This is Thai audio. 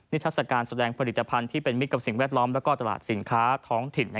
ทัศกาลแสดงผลิตภัณฑ์ที่เป็นมิตรกับสิ่งแวดล้อมและตลาดสินค้าท้องถิ่น